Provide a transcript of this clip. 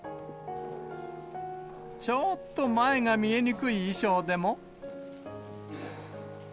ちょーっと前が見えにくい衣装でも。